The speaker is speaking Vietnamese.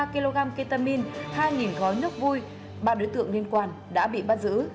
năm mươi ba kg ketamine hai gói nước vui ba đối tượng liên quan đã bị bắt giữ